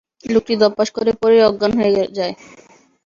লোকটি ধপাস করে পড়েই অজ্ঞান হয়ে যায়।